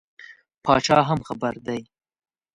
پاچا هم خبر دی.